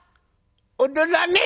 踊らねえ？